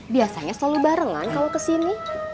biasanya selalu barengan kalau kesini